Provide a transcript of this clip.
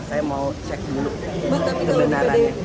saya mau cek dulu kebenarannya